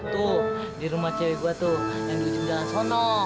tuh di rumah cewek gue tuh yang di ujung jalan sono